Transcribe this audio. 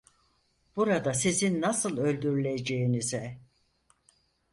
Burada sizin nasıl öldürüleceğinize…